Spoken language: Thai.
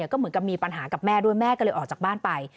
ก็เหมือนกับมีปัญหากับแม่ด้วยแม่ก็เลยออกจากบ้านไป